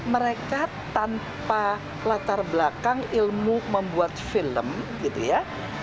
mereka tanpa latar belakang ilmu membuat film gitu ya